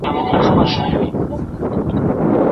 بیا په شیطانه په مکاره ژبه